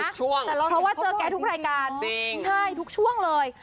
มาทุกช่วงเพราะว่าเจอแกทุกรายการจริงใช่ทุกช่วงเลย